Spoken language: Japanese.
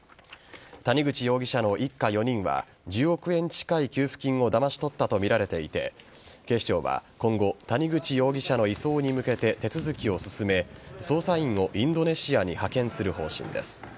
谷口容疑者の一家４人は１０億円近い給付金をだまし取ったとみられていて警視庁は今後谷口容疑者の移送に向けて手続きを進め捜査員をインドネシアに派遣する方針です。